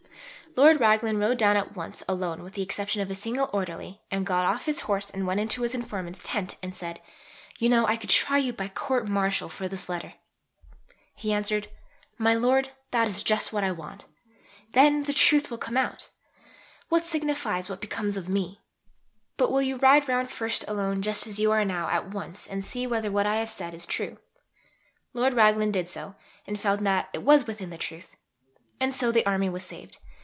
Lord Raglan rode down at once alone with the exception of a single Orderly, and got off his horse and went into his informant's tent and said, "You know I could try you by Court Martial for this letter." He answered, "My Lord, that is just what I want. Then the truth will come out. What signifies what becomes of me? But will you ride round first alone just as you are now at once and see whether what I have said is true?" Lord Raglan did so, and found that it was within the truth. And so the Army was saved.